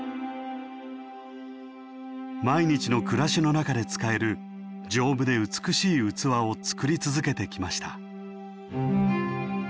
毎日の暮らしの中で使える丈夫で美しい器を作り続けてきました。